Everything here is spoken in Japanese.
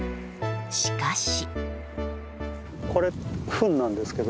しかし。